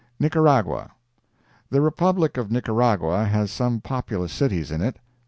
NICARAGUA The Republic of Nicaragua has some populous cities in it.